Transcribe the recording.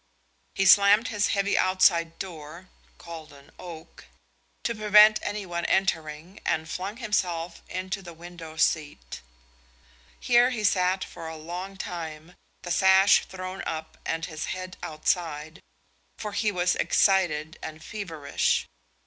He slammed his heavy outside door (called an "oak") to prevent anyone entering and flung himself into the window seat. Here he sat for a long time, the sash thrown up and his head outside, for he was excited and feverish.